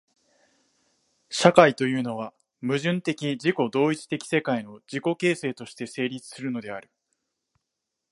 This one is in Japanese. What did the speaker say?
社会というのは、矛盾的自己同一的世界の自己形成として成立するのである。